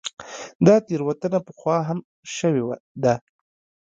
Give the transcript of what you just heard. دا تېروتنه پخوا هم شوې ده.